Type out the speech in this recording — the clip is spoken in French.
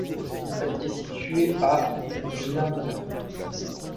Elle est située à de N'Djamena.